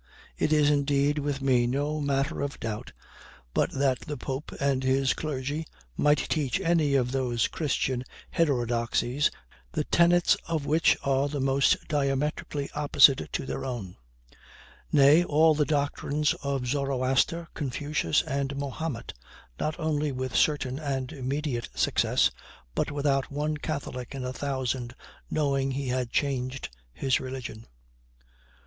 It is, indeed, with me no matter of doubt but that the pope and his clergy might teach any of those Christian heterodoxies, the tenets of which are the most diametrically opposite to their own; nay, all the doctrines of Zoroaster, Confucius, and Mahomet, not only with certain and immediate success, but without one Catholic in a thousand knowing he had changed his religion. [Footnote 12: At Lisbon.